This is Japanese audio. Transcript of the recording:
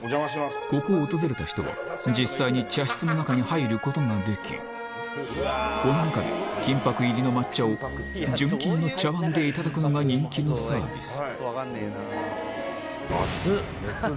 ここを訪れた人は実際に茶室の中に入ることができこの中で金箔入りの抹茶を純金の茶碗でいただくのが人気のサービス